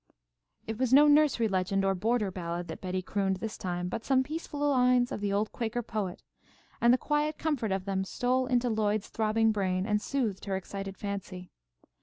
It was no nursery legend or border ballad that Betty crooned this time, but some peaceful lines of the old Quaker poet, and the quiet comfort of them stole into Lloyd's throbbing brain and soothed her excited fancy.